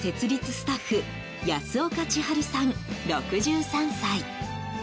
スタッフ安岡千春さん、６３歳。